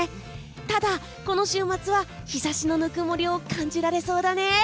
ただ、この週末は日差しのぬくもりを感じられそうだね。